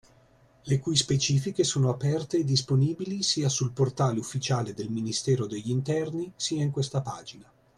Le cui specifiche sono aperte e disponibili sia sul portale ufficiale del Ministero degli Interni, sia in questa pagina.